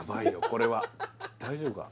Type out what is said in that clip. これは大丈夫か？